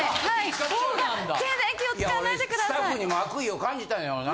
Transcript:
スタッフにも悪意を感じたんやろな。